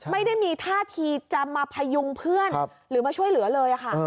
ไม่ได้มีท่าทีจะมาพยุงเพื่อนหรือมาช่วยเหลือเลยค่ะ